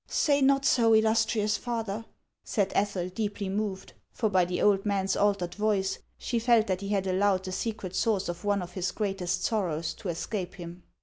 " Say not so, illustrious father," said Ethel, deeply moved ; for by the old man's altered voice, she felt that he had allowed the secret source of one of his greatest sorrows to escape him.